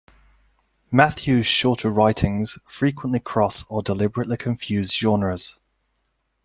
Mathews's shorter writings frequently cross or deliberately confuse genres.